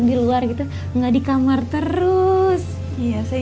di luar gitu enggak di kamar terus iya saya